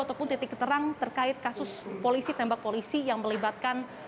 ataupun titik keterangan terkait kasus tembak polisi yang melibatkan